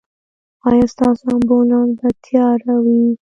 ایا ستاسو امبولانس به تیار وي؟